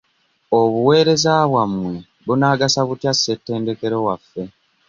Obuwereza bwamwe bunaagasa butya ssetendekero waffe?